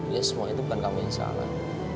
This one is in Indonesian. ya semua itu bukan kami yang salah